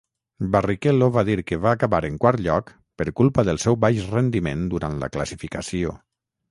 Barrichello va dir que va acabar en quart lloc per culpa del seu baix rendiment durant la classificació.